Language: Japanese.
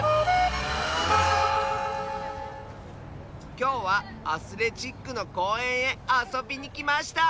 きょうはアスレチックのこうえんへあそびにきました！